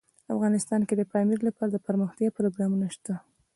افغانستان کې د پامیر لپاره دپرمختیا پروګرامونه شته.